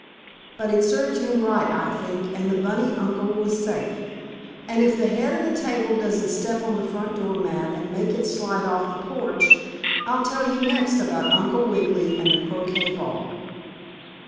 But it served him right, I think, and the bunny uncle was safe. And if the head of the table doesn't step on the front door mat and make it slide off the porch I'll tell you next about Uncle Wiggily and the croquet ball.